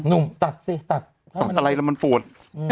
หนุ่มตัดสิถ้าเป็นอะไรแล้วมันปวด